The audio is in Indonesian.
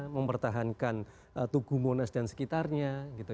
mempertahankan tugu monas dan sekitarnya gitu